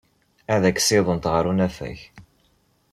Ad k-ssiwḍent ɣer unafag.